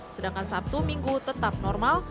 sedangkan sabtu minggu tetap normal